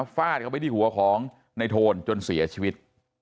ฟาดเข้าไปที่หัวของในโทนจนเสียชีวิต